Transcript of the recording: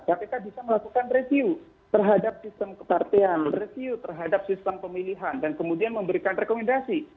kpk bisa melakukan review terhadap sistem kepartean review terhadap sistem pemilihan dan kemudian memberikan rekomendasi